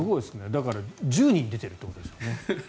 だから１０人出てるってことですよね。